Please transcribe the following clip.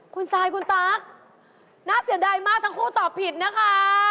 คุณซายคุณตั๊กน่าเสียดายมากทั้งคู่ตอบผิดนะคะ